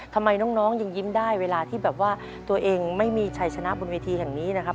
ทำไมน้องยังยิ้มได้เวลาที่แบบว่าตัวเองไม่มีชัยชนะบนเวทีแห่งนี้นะครับ